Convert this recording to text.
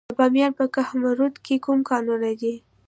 د بامیان په کهمرد کې کوم کانونه دي؟